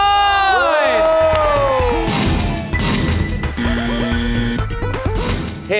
ถามพี่ปีเตอร์